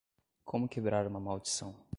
Como quebrar uma maldição